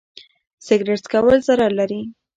سګرټ څکول ضرر لري.